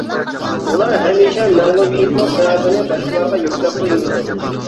ئۇلار ھەمىشە مەغلۇبىيىتىنىڭ سەۋەبىنى باشقىلارغا يۈكلەپلا يۈرىدۇ.